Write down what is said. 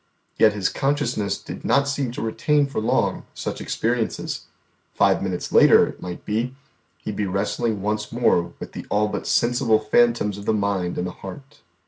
Yet His consciousness did not seem to retain for long such experiences; five minutes later, it might be, He would be wrestling once more with the all but sensible phantoms of the mind and the heart.